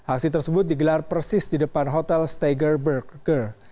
aksi tersebut digelar persis di depan hotel steakburger